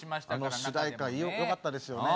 あの主題歌よかったですよね。